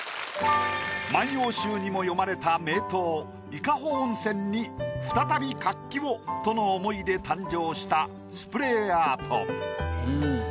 『万葉集』にも詠まれた名湯伊香保温泉に再び活気をとの思いで誕生したスプレーアート。